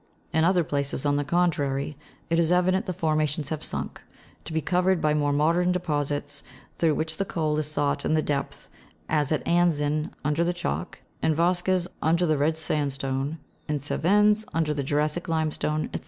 In other places, on the contrary, it is evident the formations have sunk, to be covered by more modem deposits, through which the coal is sought in the depth, as at Anzin, under the chalk, in Vosges, under the red sandstone, in Cevennes, under the jura'ssic limestone, &c.